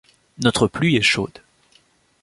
Notre pluie est chaude.